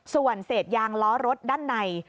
ส่วนเศษยางล้อรถด้านใน